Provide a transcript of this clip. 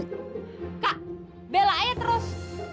kak belai terus